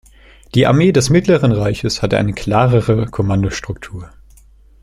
Die Armee des Mittleren Reiches hatte eine klarere Kommandostruktur.